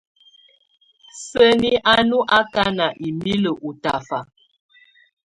Sǝ́ni á nɔ́ ákána imilǝ́ ú tafa.